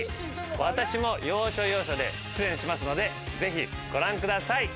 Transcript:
私も要所要所で出演しますので是非ご覧ください。